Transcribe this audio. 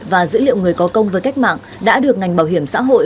và dữ liệu người có công với cách mạng đã được ngành bảo hiểm xã hội